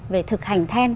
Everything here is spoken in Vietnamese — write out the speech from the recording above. về thực hành then